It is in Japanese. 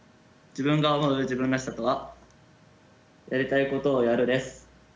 自分が思う自分らしさとは「やりたいことをやる」です。